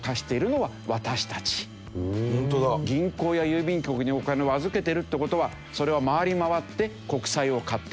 銀行や郵便局にお金を預けてるって事はそれは回り回って国債を買ってる。